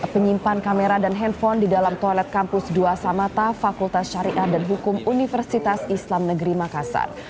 penyimpan kamera dan handphone di dalam toilet kampus dua samata fakultas syariah dan hukum universitas islam negeri makassar